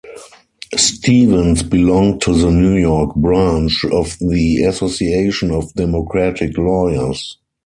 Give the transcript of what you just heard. Stevens belonged to the New York branch of the Association of Democratic Lawyers.